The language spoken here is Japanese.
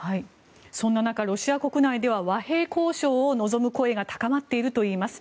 そんな中、ロシア国内では和平交渉を望む声が高まっているといいます。